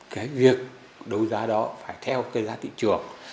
cái việc đấu giá đó phải theo cái giá thị trường